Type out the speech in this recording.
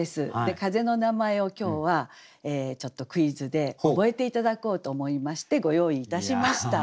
風の名前を今日はちょっとクイズで覚えて頂こうと思いましてご用意いたしました。